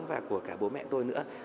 và của cả bố mẹ tôi nữa